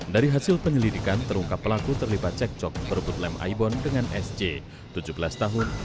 dari hasil penyelidikan terungkap pelaku terlibat cek cok berebut lem aibon dengan sj tujuh belas tahun